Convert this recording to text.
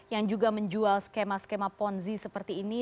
yang juga menjual skema skema ponzi seperti ini